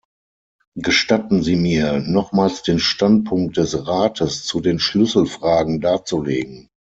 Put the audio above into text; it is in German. Gestatten Sie mir, nochmals den Standpunkt des Rates zu den Schlüsselfragen darzulegen.